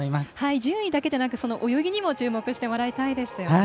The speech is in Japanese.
順位だけでなくその泳ぎにも注目していただきたいですよね。